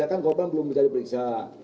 saya kan korban belum jadi periksa